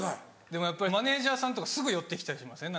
でもマネジャーさんとかすぐ寄って来たりしません？